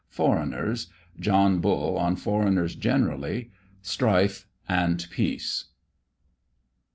FOREIGNERS. JOHN BULL ON FOREIGNERS GENERALLY. STRIFE AND PEACE.